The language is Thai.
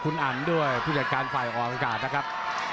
คุณอันด้วยผู้จัดการฝ่ายออกอากาศนะครับ